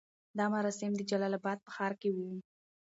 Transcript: دا مراسم د جلال اباد په ښار کې وو.